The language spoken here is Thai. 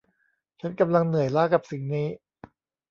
ฉันกำลังเหนื่อยล้ากับสิ่งนี้